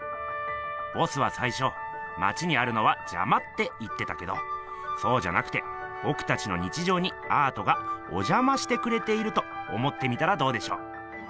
ボスは最初まちにあるのはじゃまって言ってたけどそうじゃなくてぼくたちの日常にアートがおじゃましてくれていると思ってみたらどうでしょう？